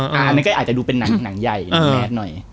อันนี้ก็อาจจะดูเป็นหนังใหญ่แมทหน่อย